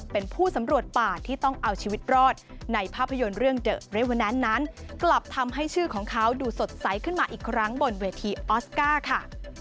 เป็นเวทีออสการ์ค่ะ